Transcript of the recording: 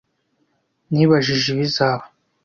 Nibajije ibizaba.